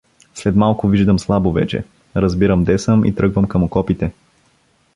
След малко виждам слабо вече, разбирам де съм и тръгвам към окопите.